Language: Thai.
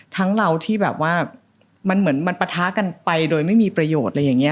เราที่แบบว่ามันเหมือนมันปะทะกันไปโดยไม่มีประโยชน์อะไรอย่างนี้